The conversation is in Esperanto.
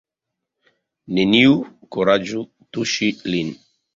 Neniu kuraĝu tuŝi lin!